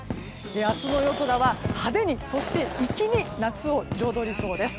明日の夜空は派手にそして粋に夏を彩りそうです。